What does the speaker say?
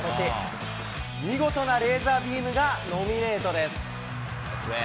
見事なレーザービームがノミネートです。